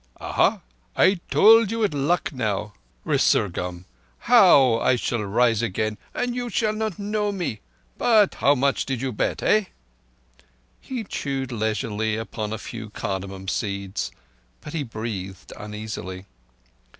"Ah ha! I told you at Lucknow—resurgam—I shall rise again and you shall not know me. How much did you bet—eh?" He chewed leisurely upon a few cardamom seeds, but he breathed uneasily.